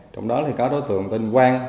trong đó thì có đối tượng tên quang